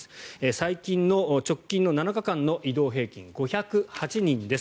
最近の直近７日間の移動平均５０８人です。